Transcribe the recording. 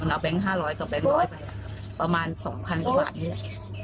มันเอาแบงค์๕๐๐กับแบงค์๑๐๐ไปประมาณ๒๐๐๐บาทนี่